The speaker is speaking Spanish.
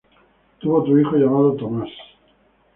Tuvo otro hijo llamado Tomás.